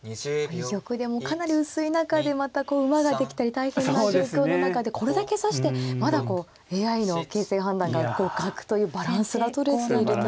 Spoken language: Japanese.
居玉でもかなり薄い中でまたこう馬ができたり大変な状況の中でこれだけ指してまだこうＡＩの形勢判断が互角というバランスがとれているということなんですね。